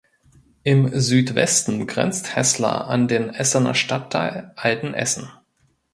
Im Südwesten grenzt Heßler an den Essener Stadtteil Altenessen.